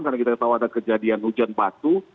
karena kita ketahui ada kejadian hujan patuh